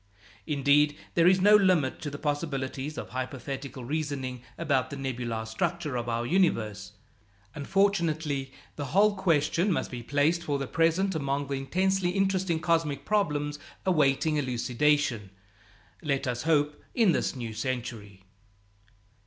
Indeed, there is no limit to the possibilities of hypothetical reasoning about the nebular structure of our universe; unfortunately, the whole question must be placed for the present among those intensely interesting cosmic problems awaiting elucidation, let us hope, in this new century.